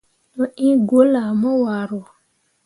Mo iŋ gwulle ah mo waro.